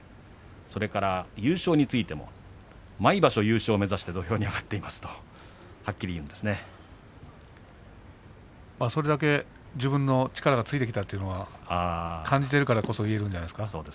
それから優勝についても毎場所、優勝を目指して土俵に上がっていますとそれだけ自分の力がついてきたというのは感じているからこそ言えるんじゃないですか。